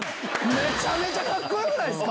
めちゃめちゃかっこよくないですか。